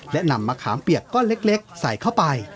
และนำมะขามเปียกก้อนเล็กใส่เข้าไป